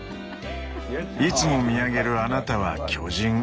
「いつも見上げるあなたは巨人。